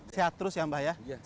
sehat terus ya mbah ya sehat terus